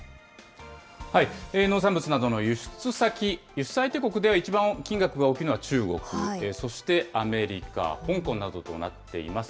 農産物などの輸出先、輸出相手国で一番金額が大きいのは中国、そしてアメリカ、香港などとなっています。